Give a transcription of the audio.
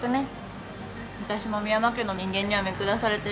私も深山家の人間には見下されてるし。